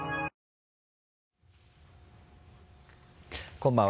こんばんは。